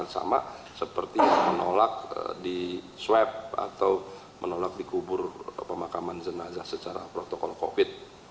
sama seperti menolak di swab atau menolak dikubur pemakaman jenazah secara protokol covid